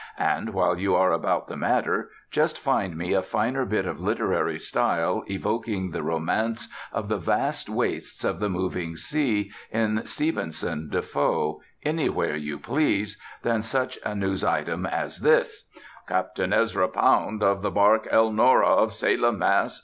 And while you are about the matter, just find me a finer bit of literary style evoking the romance of the vast wastes of the moving sea, in Stevenson, Defoe, anywhere you please, than such a news item as this: "Capt. Ezra Pound, of the bark Elnora, of Salem, Mass.